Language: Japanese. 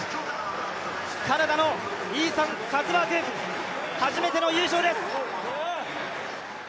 カナダのイーサン・カツバーグ、初めての優勝です！